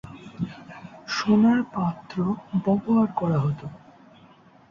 সোনার পাত্র ব্যবহার করা হত।